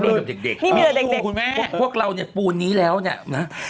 นี่มีกับเด็กคุณแม่พวกเราปูนี้แล้วเนี่ยนะ